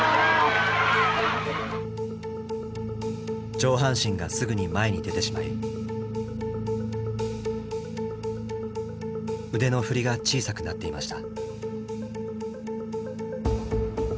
上半身がすぐに前に出てしまい腕の振りが小さくなっていました。